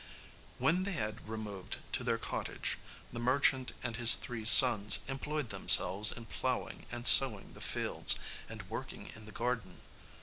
When they had removed to their cottage the merchant and his three sons employed themselves in ploughing and sowing the fields, and working in the garden.